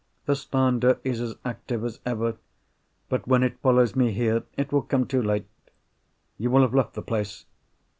"The slander is as active as ever. But when it follows me here, it will come too late." "You will have left the place?"